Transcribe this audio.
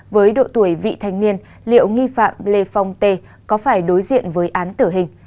với độ tuổi vị thanh niên liệu nghi phạm lê phong t có phải đối diện với án tử hình